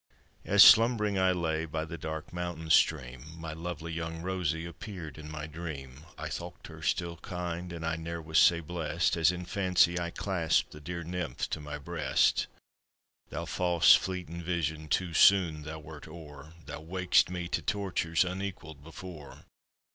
As slumbering I lay, by the dark mountain stream, My lovely young Rosie appeared in my dream; I thocht her still kind, and I ne'er was sae blest As in fancy I clasped the dear Nymph to my breast. Thou fause fleetin' vision, too soon thou wert o'er; Thou wak'd'st me tae tortures, unequalled before.